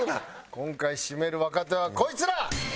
今回シメる若手はこいつら！